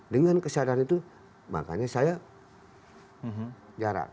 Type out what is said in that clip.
dengan kesadaran itu makanya saya jarak